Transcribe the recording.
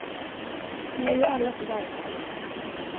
Ni är ju alla så verksamma.